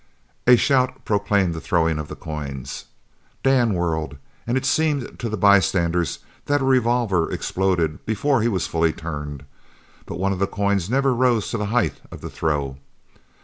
As a shout proclaimed the throwing of the coins, Dan whirled, and it seemed to the bystanders that a revolver exploded before he was fully turned; but one of the coins never rose to the height of the throw.